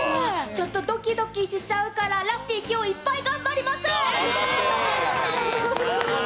ちょっとドキドキしちゃうから、ラッピー、今日はいっぱい頑張ります。